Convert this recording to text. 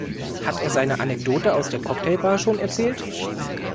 Hat er seine Anekdote aus der Cocktailbar schon erzählt?